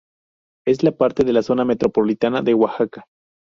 Es parte de la zona metropolitana de Oaxaca.